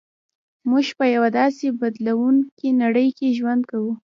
موږ په یوه داسې بدلېدونکې نړۍ کې ژوند کوو